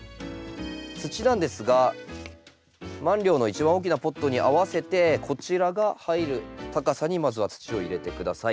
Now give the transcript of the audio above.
土なんですがマンリョウの一番大きなポットに合わせてこちらが入る高さにまずは土を入れて下さい。